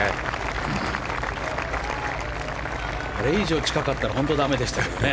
あれ以上、近かったら本当にだめでしたね。